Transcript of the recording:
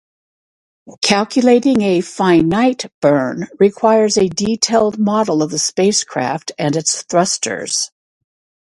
Calculating a "finite" burn requires a detailed model of the spacecraft and its thrusters.